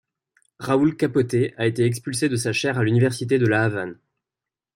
Raúl Capote a été expulsé de sa chaire à l’université de La Havane.